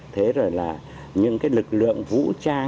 thế rồi là những lực lượng vũ trang